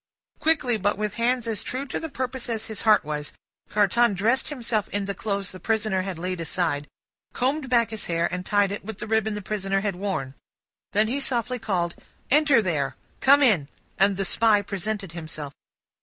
Quickly, but with hands as true to the purpose as his heart was, Carton dressed himself in the clothes the prisoner had laid aside, combed back his hair, and tied it with the ribbon the prisoner had worn. Then, he softly called, "Enter there! Come in!" and the Spy presented himself.